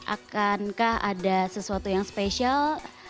akankah ada sesuatu yang spesial